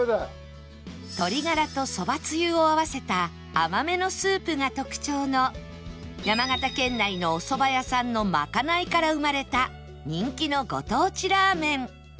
鶏ガラと蕎麦つゆを合わせた甘めのスープが特徴の山形県内のお蕎麦屋さんのまかないから生まれた人気のご当地ラーメン